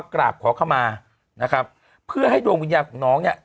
กราบขอเข้ามานะครับเพื่อให้ดวงวิญญาณของน้องเนี่ย